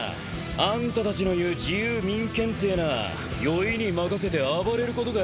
あんたたちの言う自由民権ってえのは酔いに任せて暴れることかい？